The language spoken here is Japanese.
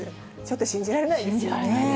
信じられないです。